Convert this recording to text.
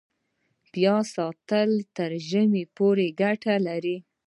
د پیاز ساتل تر ژمي پورې ګټه لري؟